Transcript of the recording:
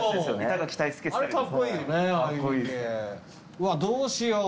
うわどうしよう。